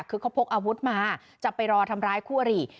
คือเขาพกอาวุธมาจะไปรอทำร้ายคู่อริ